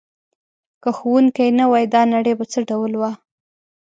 که ښوونکی نه وای دا نړۍ به څه ډول وه؟